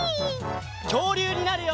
きょうりゅうになるよ！